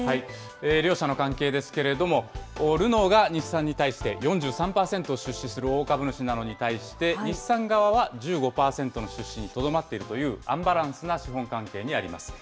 両社の関係ですけれども、ルノーが日産に対して４３％を出資する大株主なのに対して、日産側は１５％の出資にとどまっているという、アンバランスな資本関係にあります。